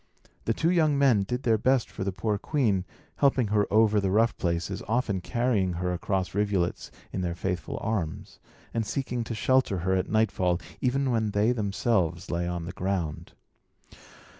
The two young men did their best for the poor queen, helping her over the rough places, often carrying her across rivulets in their faithful arms, and seeking to shelter her at nightfall, even when they themselves lay on the ground.